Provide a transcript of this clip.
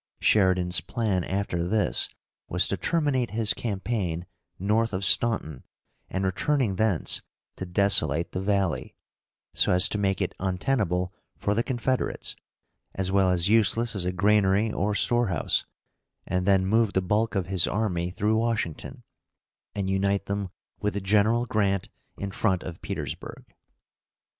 Sheridan's plan after this was to terminate his campaign north of Staunton, and, returning thence, to desolate the Valley, so as to make it untenable for the Confederates, as well as useless as a granary or storehouse, and then move the bulk of his army through Washington, and unite them with General Grant in front of Petersburg.